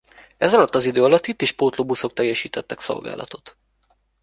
Ez alatt az idő alatt itt is pótlóbuszok teljesítettek szolgálatot.